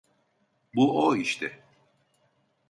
Bu o işte.